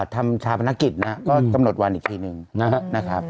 ทำชาพนักกิจน่ะก็กำหนดวันอีกทีหนึ่งนะฮะนะครับ